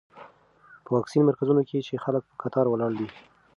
په واکسین مرکزونو کې خلک په کتار ولاړ دي.